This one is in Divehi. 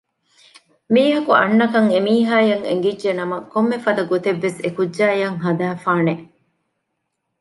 މީހަކު އަންނަކަން އެ މީހާއަށް އެނގިއްޖެނަމަ ކޮންމެފަދަ ގޮތެއްވެސް އެ ކުއްޖާއަށް ހަދައިފާނެ